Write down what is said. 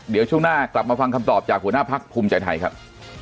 เดี๋ยวช่วงหน้ากลับมาฟังคำตอบจากหัวหน้าพักภูมิใจไทยครับ